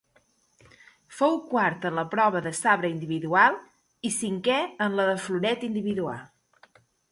Fou quart en la prova de sabre individual i cinquè en la de floret individual.